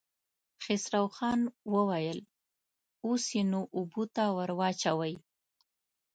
خسرو خان وويل: اوس يې نو اوبو ته ور واچوئ.